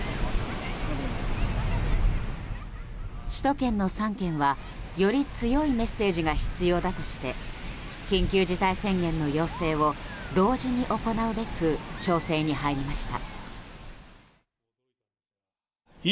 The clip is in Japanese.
首都圏の３県はより強いメッセージが必要だとして緊急事態宣言の要請を同時に行うべく調整に入りました。